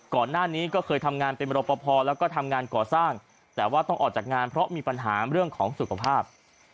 ก่อนหน้านี้ก็เคยทำงานเป็นบรปภแล้วก็ทำงานก่อสร้างแต่ว่าต้องออกจากงานเพราะมีปัญหาเรื่องของสุขภาพ